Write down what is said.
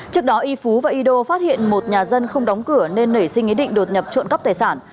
trước đó i phú và ido phát hiện một nhà dân không đóng cửa nên nể sinh ý định đột nhập trộn cắp tài sản